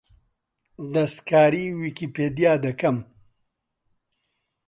دەستکاریی ویکیپیدیا دەکەم.